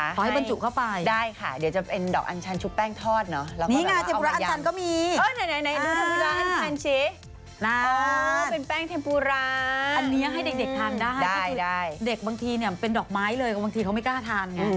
อันนี้ให้เด็กทานได้เด็กบางทีเป็นดอกไม้เลยเพราะบางทีเขาไม่กล้าทาน